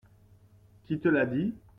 Qui te l’a dit ?